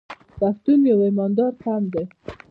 پښتون یو ایماندار قوم دی.